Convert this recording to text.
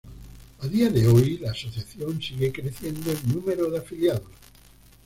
A día de hoy, la asociación sigue creciendo en número de afiliados.